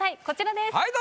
こちらです。